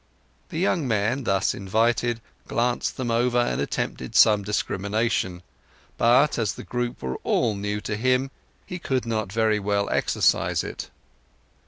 The young man, thus invited, glanced them over, and attempted some discrimination; but, as the group were all so new to him, he could not very well exercise it.